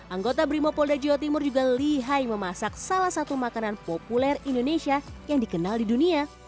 anggota brimopolda jawa timur juga lihai memasak salah satu makanan populer indonesia yang dikenal di dunia